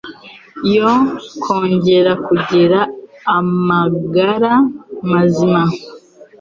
yo kongera kugira amagara mazima.